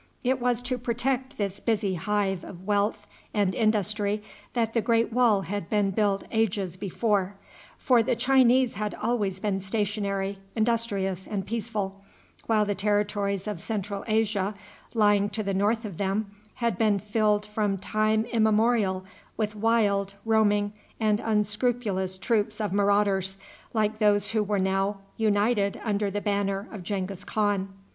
It was to protect this busy hive of wealth and industry that the great wall had been built ages before; for the Chinese had always been stationary, industrious, and peaceful, while the territories of Central Asia, lying to the north of them, had been filled from time immemorial with wild, roaming, and unscrupulous troops of marauders, like those who were now united under the banner of Genghis Khan.